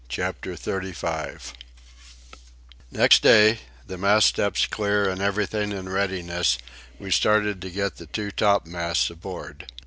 CHAPTER XXXV Next day, the mast steps clear and everything in readiness, we started to get the two topmasts aboard.